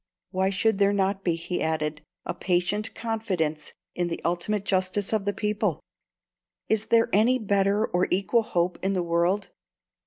Why should there not be," he added, "a patient confidence in the ultimate justice of the people? Is there any better or equal hope in the world?